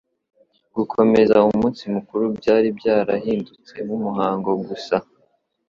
gukomeza umunsi mukuru byari byarahindutse nk'umuhango gusa.